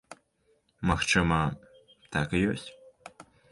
Магчыма, так і ёсць.